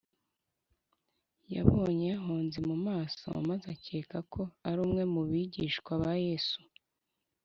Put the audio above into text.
yabonye yahonze mu maso, maze akeka ko ari umwe mu bigishwa ba yesu